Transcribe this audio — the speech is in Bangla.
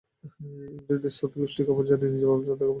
ইংরেজদের সাতগুষ্টির খবর জানি, নিজের বাপ-দাদার খবর রাখি না।